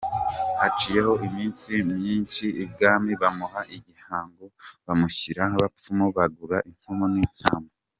Haciyeho iminsi myinshi, ibwami bamuha igihango, bamushyira mu bapfumu baragura inkoko n’intama.